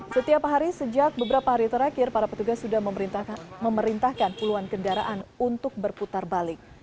setiap hari sejak beberapa hari terakhir para petugas sudah memerintahkan puluhan kendaraan untuk berputar balik